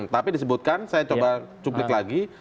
tapi disebutkan saya coba cuplik lagi